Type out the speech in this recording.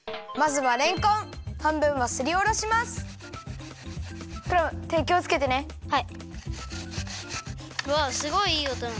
はい。